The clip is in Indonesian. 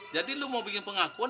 jadi lu mau bikin pengakuan